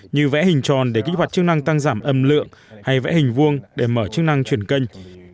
như vẽ hình tròn để kích hoạt chức năng tăng giảm âm lượng hay vẽ hình vuông để mở chức năng chuyển kênh